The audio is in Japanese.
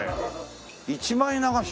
「一枚流し」